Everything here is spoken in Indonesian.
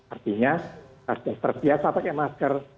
artinya sudah terbiasa pakai masker